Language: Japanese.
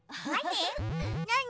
なに？